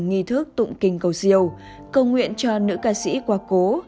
nghi thức tụng kinh cầu siêu cầu nguyện cho nữ ca sĩ của mình